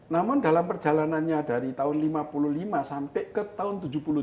namun dalam perjalanannya dari tahun lima puluh lima sampai ke tahun tujuh puluh tiga